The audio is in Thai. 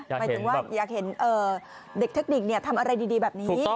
หมายถึงว่าอยากเห็นเด็กเทคนิคทำอะไรดีแบบนี้